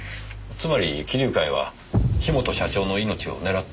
つまり貴龍会は樋本社長の命を狙っていた。